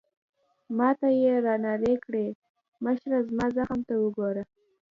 ما ته يې رانارې کړې: مشره، زما زخم ته وګوره.